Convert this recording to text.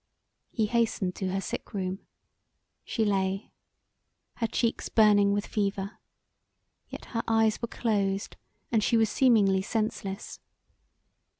He hastened to her sick room; she lay, her cheeks burning with fever, yet her eyes were closed and she was seemingly senseless.